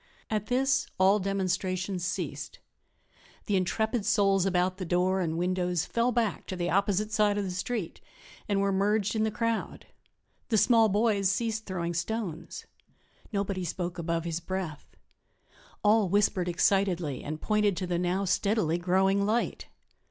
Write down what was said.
At this all demonstrations ceased; the intrepid souls about the door and windows fell back to the opposite side of the street and were merged in the crowd; the small boys ceased throwing stones. Nobody spoke above his breath; all whispered excitedly and pointed to the now steadily growing light.